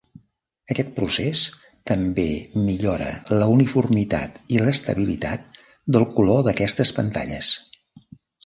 Aquest procés també millora la uniformitat i l'estabilitat del color d'aquestes pantalles.